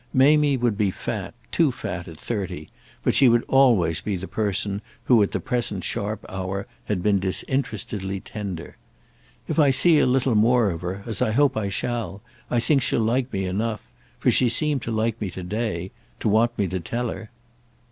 Mamie would be fat, too fat, at thirty; but she would always be the person who, at the present sharp hour, had been disinterestedly tender. "If I see a little more of her, as I hope I shall, I think she'll like me enough—for she seemed to like me to day—to want me to tell her."